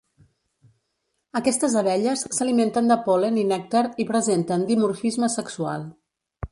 Aquestes abelles s'alimenten de pol·len i nèctar i presenten dimorfisme sexual.